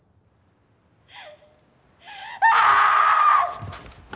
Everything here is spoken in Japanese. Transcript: ああ！